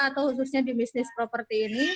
atau khususnya di bisnis properti ini